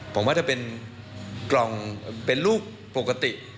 ผมว่าจะเป็นกล่องเป็นลูกปกติ